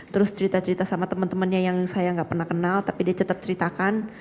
terus cerita cerita sama temen temennya yang saya nggak pernah kenal tapi dia tetap ceritakan